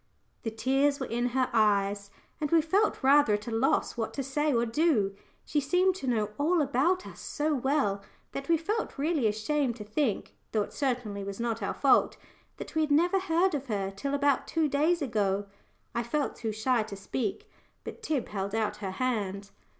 The tears were in her eyes, and we felt rather at a loss what to say or do. She seemed to know all about us so well that we felt really ashamed to think though it certainly was not our fault that we had never heard of her till about two days ago. I felt too shy to speak, but Tib held out her hand.